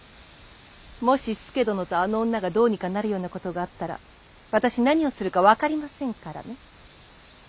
もし佐殿とあの女がどうにかなるようなことがあったら私何をするか分かりませんからね。